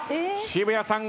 渋谷さん。